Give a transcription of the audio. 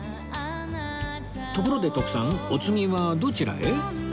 ところで徳さんお次はどちらへ？